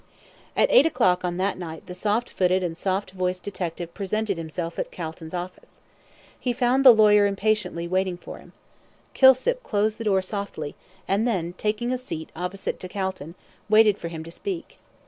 At eight o'clock on that night the soft footed and soft voiced detective presented himself at Calton's office. He found the lawyer impatiently waiting for him. Kilsip closed the door softly, and then taking a seat opposite to Calton, waited for him to speak.